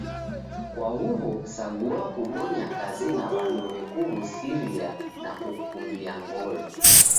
Kwa huw'o sagua kubonya kazi na w'andu w'ekuw'usiria na kukukumbia ngolo